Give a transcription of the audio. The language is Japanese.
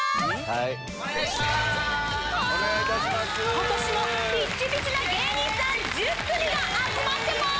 今年もピッチピチな芸人さん１０組が集まってます。